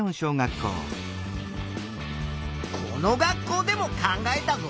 この学校でも考えたぞ。